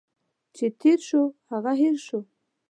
چي تیر شو، هغه هٻر شو.